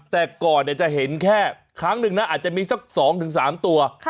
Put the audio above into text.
แต่ก่อนจะเห็นแค่ครั้งหนึ่งนะอาจจะมีสัก๒๓ตัว